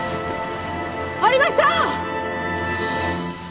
ありました！